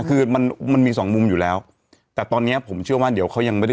คือมันมันมีสองมุมอยู่แล้วแต่ตอนเนี้ยผมเชื่อว่าเดี๋ยวเขายังไม่ได้